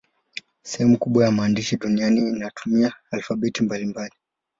Sehemu kubwa ya maandishi duniani inatumia alfabeti mbalimbali.